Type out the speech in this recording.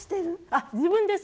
あっ自分です。